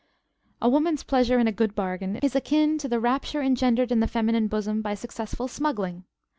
A woman's pleasure in a good bargain is akin to the rapture engendered in the feminine bosom by successful smuggling.